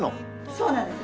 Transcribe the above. そうなんですよ。